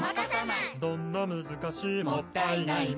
「どんな難しいもったいないも」